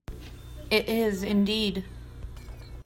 It is, indeed!